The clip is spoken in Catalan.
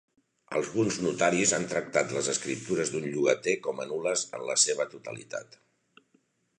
Alguns notaris han tractat les escriptures d'un llogater com a nul·les en la seva totalitat.